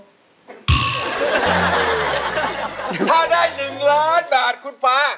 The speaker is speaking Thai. ถ้าได้๑ล้านบาทคุณฟ้า